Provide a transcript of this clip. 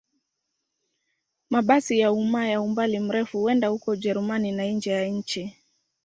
Mabasi ya umma ya umbali mrefu huenda huko Ujerumani na nje ya nchi.